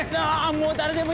もう誰でもいいわ。